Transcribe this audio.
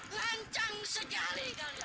lancang sekali kalian